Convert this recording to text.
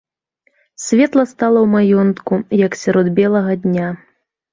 Светла стала ў маёнтку, як сярод белага дня.